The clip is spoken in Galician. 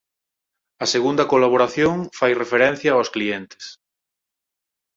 A segunda colaboración fai referencia ós clientes.